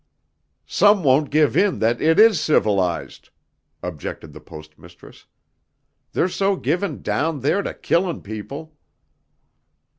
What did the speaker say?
"Some won't give in that it is civilized," objected the Post Mistress, "they're so given down there to killin' people."